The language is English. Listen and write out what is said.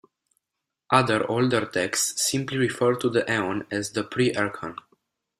Other, older texts simply refer to the eon as the Pre-Archean.